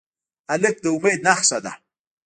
هلک د امید نښه ده.